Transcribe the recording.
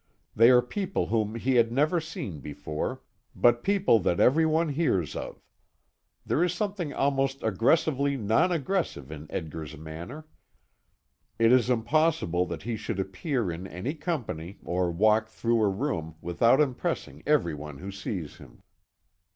They are people whom he had never seen before, but people that every one hears of. There is something almost aggressively non aggressive in Edgar's manner. It is impossible that he should appear in any company or walk through a room without impressing every one who sees him.